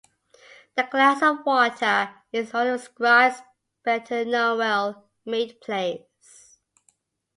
"The Glass of Water" is one of Scribe's better-known well-made plays.